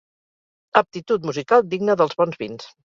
Aptitud musical digna dels bons vins.